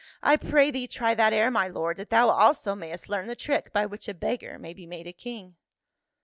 " I pray thee try that air, my lord, that thou also may.st learn the trick by which a beggar may be made a king."